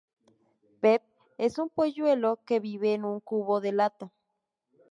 Peep: Es un polluelo que vive en un cubo de lata.